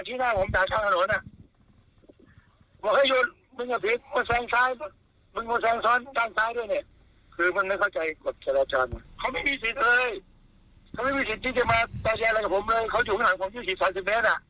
มีอะไรในใจเขาหรือเปล่าผมไม่เข้าใจ